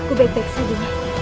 aku baik baik saja